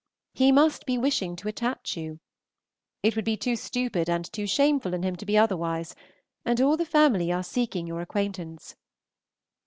He must be wishing to attach you. It would be too stupid and too shameful in him to be otherwise; and all the family are seeking your acquaintance.